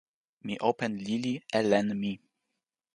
mi open lili e len mi.